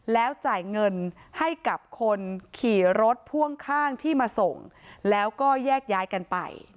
แล้วจ่ายเงินให้กับคนขี่รถพ่วงข้างที่มาส่งแล้วก็แยกย้ายกันไป